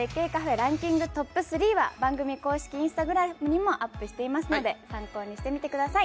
ランキングトップ３は番組公式Ｉｎｓｔａｇｒａｍにもアップしてますので参考にしてみてください。